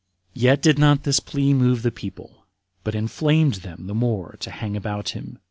Yet did not this plea move the people, but inflamed them the more to hang about him.